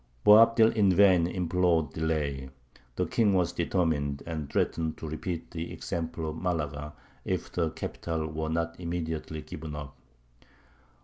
Boabdil in vain implored delay; the king was determined, and threatened to repeat the example of Malaga if the capital were not immediately given up.